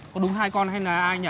có đúng hai con hay là ai nhỉ